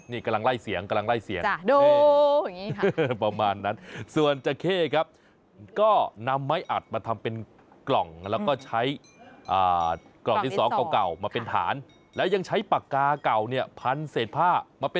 นี่กำลังไล่เสียง